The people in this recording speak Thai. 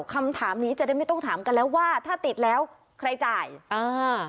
คำถามนี้จะได้ไม่ต้องถามกันแล้วว่าถ้าติดแล้วใครจ่ายอ่า